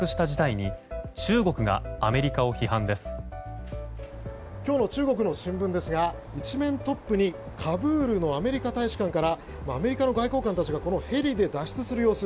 今日の中国の新聞ですが１面トップにカブールのアメリカ大使館からアメリカの外交官たちがヘリで脱出する様子。